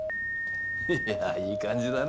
いやいい感じだね。